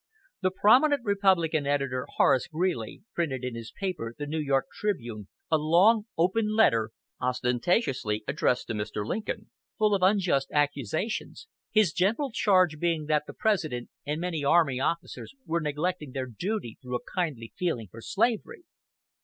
The prominent Republican editor, Horace Greeley, printed in his paper, the "New York Tribune," a long "Open Letter," ostentatiously addressed to Mr. Lincoln, full of unjust accusations, his general charge being that the President and many army officers were neglecting their duty through a kindly feeling for slavery.